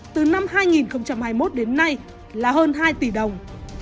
từ năm hai nghìn hai mươi một đến nay là hơn hai tỷ đồng